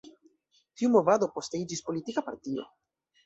Tiu movado poste iĝis politika partio.